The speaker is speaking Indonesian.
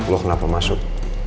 lo kenapa masuk